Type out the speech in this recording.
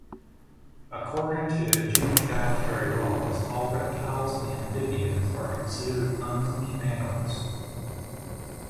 According to Jewish dietary laws all reptiles and amphibians are considered unclean animals.